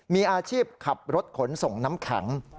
มีอาชีพขับรถขนส่งน้ำแข็ง